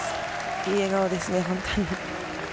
いい笑顔ですね、本当に。